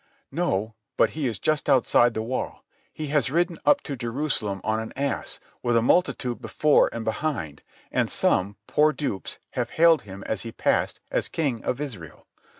"No; but he is just outside the wall. He has ridden up to Jerusalem on an ass, with a multitude before and behind; and some, poor dupes, have hailed him as he passed as King of Israel.